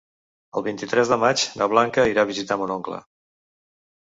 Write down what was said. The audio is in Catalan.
El vint-i-tres de maig na Blanca irà a visitar mon oncle.